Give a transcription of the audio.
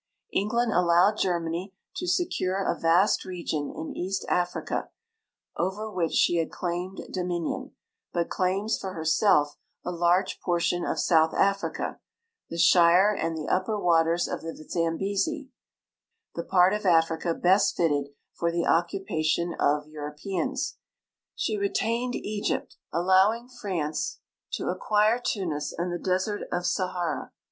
England alloAved Germany to secure a vast region in East Africa over Avhich she had claimed dominion, Imt claims for her self a large j)ortion of Houth Africa, the Shire and the upper Avaters of the Zaml^esi, tl»e part of Africa best fitted for the occu pation of Europeans. She retained Egypt, alloAAung France to 160 AFRICA SINCE 1888 acquire Tunis and the desert of Sahara.